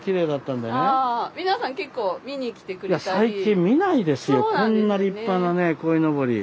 最近見ないですよこんな立派なねこいのぼり。